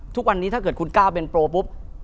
ทุกวันนี้ถ้าเกิดคุณก้าวเป็นโปรปุ๊บ